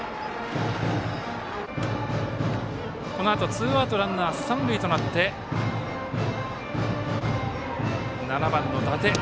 このあとツーアウトランナー、三塁となって７番の伊達。